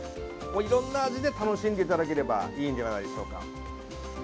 いろんな味で楽しんでいただければいいんではないでしょうか。